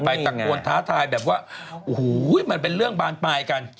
ตะโกนท้าทายแบบว่าโอ้โหมันเป็นเรื่องบานปลายกัน